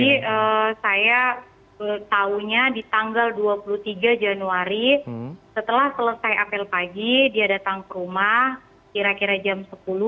jadi saya tahunya di tanggal dua puluh tiga januari setelah selesai apel pagi dia datang ke rumah kira kira jam sepuluh